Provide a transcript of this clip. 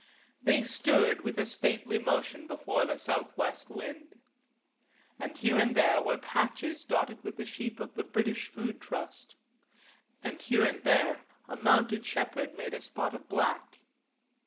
They stirred with a stately motion before the south west wind. And here and there were patches dotted with the sheep of the British Food Trust, and here and there a mounted shepherd made a spot of black.